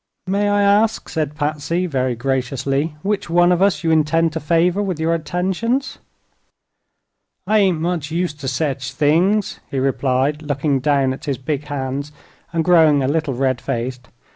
"May I ask," said Patsy, very graciously, "which one of us you intend to favor with your attentions?" "I ain't much used to sech things," he replied, looking down at his big hands and growing a little red faced.